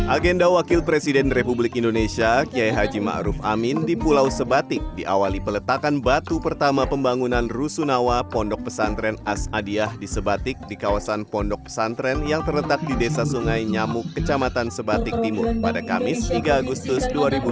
agenda wakil presiden republik indonesia kiai haji ⁇ maruf ⁇ amin di pulau sebatik diawali peletakan batu pertama pembangunan rusunawa pondok pesantren asadiah di sebatik di kawasan pondok pesantren yang terletak di desa sungai nyamuk kecamatan sebatik timur pada kamis tiga agustus dua ribu dua puluh